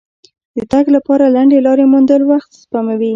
د تګ لپاره لنډې لارې موندل وخت سپموي.